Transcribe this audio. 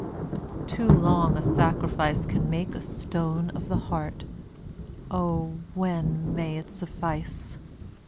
Too long a sacrifice Can make a stone of the heart. O when may it suffice?